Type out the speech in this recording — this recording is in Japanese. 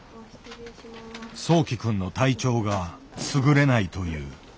そうき君の体調がすぐれないという。